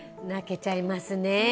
泣けちゃいますね。